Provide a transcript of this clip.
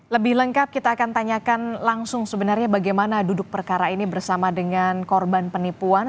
lebih lengkap kita akan tanyakan langsung sebenarnya bagaimana duduk perkara ini bersama dengan korban penipuan